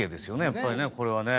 やっぱりねこれはね。